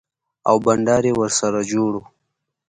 او بنډار يې ورسره جوړ و.